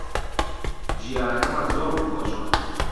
جیرانەکەمان زۆر ڕووخۆشە.